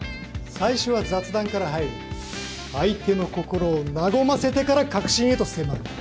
最初は雑談から入り相手の心を和ませてから核心へと迫る。